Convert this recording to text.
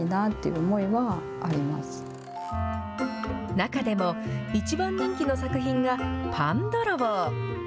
中でも、一番人気の作品がパンどろぼう。